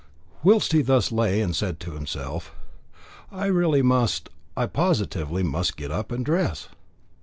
Whilst he thus lay and said to himself, "I really must I positively must get up and dress!"